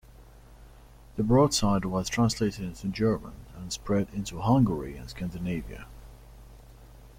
The broadside was translated into German, and spread into Hungary and Scandinavia.